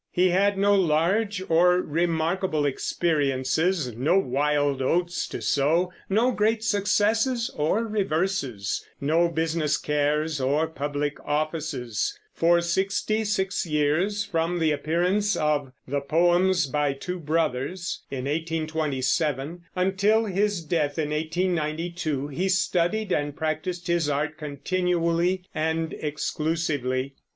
He had no large or remarkable experiences, no wild oats to sow, no great successes or reverses, no business cares or public offices. For sixty six years, from the appearance of the Poems by Two Brothers, in 1827, until his death in 1892, he studied and practiced his art continually and exclusively.